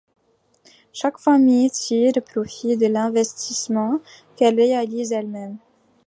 Chaque famille tire profit de l’investissement qu’elle réalise elle-même.